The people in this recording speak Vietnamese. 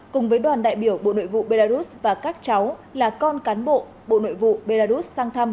cùng với đoàn đại biểu bộ nội vụ belarus và các cháu là con cán bộ bộ nội vụ belarus sang thăm